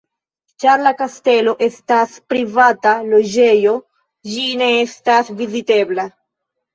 Ĉar la kastelo estas privata loĝejo, ĝi ne estas vizitebla.